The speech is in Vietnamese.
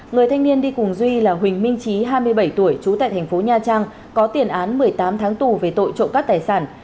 người thanh niên đi cùng duy là huỳnh minh trí hai mươi bảy tuổi trú tại thành phố nha trang có tiền án một mươi tám tháng tù về tội trộm cắp tài sản